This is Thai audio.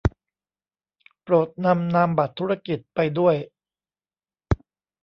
โปรดนำนามบัตรธุรกิจไปด้วย